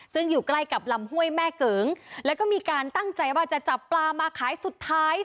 ซึ่งอยู่ใกล้กับลำห้วยแม่เกิงแล้วก็มีการตั้งใจว่าจะจับปลามาขายสุดท้าย